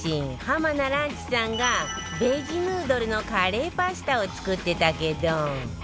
浜名ランチさんがベジヌードルのカレーパスタを作ってたけど